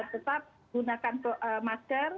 tetap gunakan masker